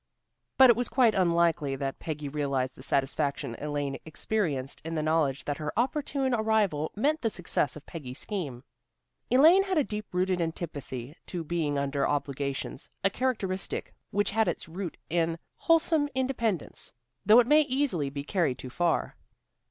But it was quite unlikely that Peggy realized the satisfaction Elaine experienced in the knowledge that her opportune arrival meant the success of Peggy's scheme. Elaine had a deep rooted antipathy to being under obligations, a characteristic which has its root in wholesome independence, though it may easily be carried too far.